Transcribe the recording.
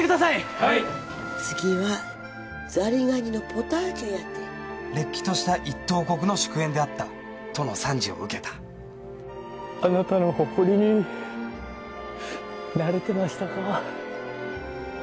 はい次はザリガニのポタージュやてれっきとした一等国の祝宴であったとの賛辞を受けたあなたの誇りになれてましたか？